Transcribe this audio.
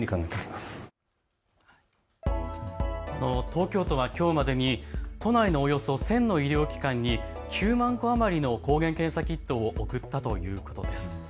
東京都はきょうまでに都内のおよそ１０００の医療機関に９万個余りの抗原検査キットを送ったということです。